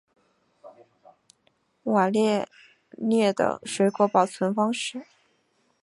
瓦列涅的水果保存方式。